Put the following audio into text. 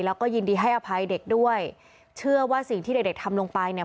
แล้วก็ยินดีให้อภัยเด็กด้วยเชื่อว่าสิ่งที่เด็กเด็กทำลงไปเนี่ย